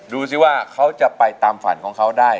ดูสิว่าเขาจะไปตามฝันของเขาได้